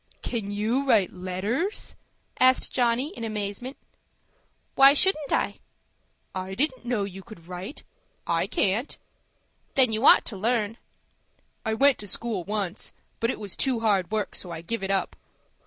"Can you write letters?" asked Johnny, in amazement. "Why shouldn't I?" "I didn't know you could write. I can't." "Then you ought to learn." "I went to school once; but it was too hard work, so I give it up."